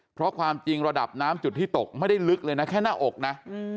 เพราะความจริงระดับน้ำจุดที่ตกไม่ได้ลึกเลยนะแค่หน้าอกนะ